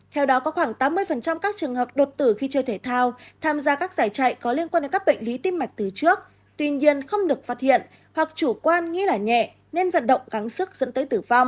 theo đó có khoảng tám mươi các trường hợp đột tử khi chơi thể thao tham gia các giải chạy có liên quan đến các bệnh lý tim mạch từ trước tuy nhiên không được phát hiện hoặc chủ quan nghĩ là nhẹ nên vận động gắn sức dẫn tới tử vong